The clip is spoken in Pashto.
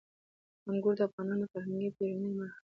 انګور د افغانانو د فرهنګي پیژندنې برخه ده.